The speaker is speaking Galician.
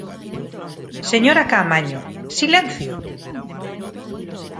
Señora Caamaño, silencio.